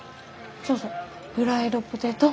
そうそうフライドポテト。